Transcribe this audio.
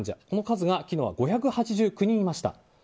この数が昨日は５８９人いました。